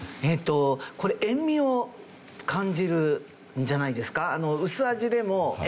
これ塩味を感じるんじゃないですか？